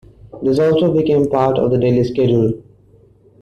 This also became part of the daily schedule.